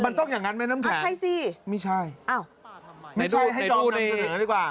มันต้องอย่างนั้นไหมน้ำแผนอ้าวใช่สิไม่ใช่ไม่ใช่ให้จอมนำเสนอดีกว่า